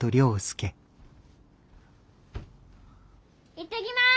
いってきます！